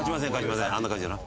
あんな感じだな。